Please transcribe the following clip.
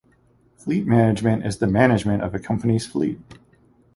Fleet management is the management of a company's fleet.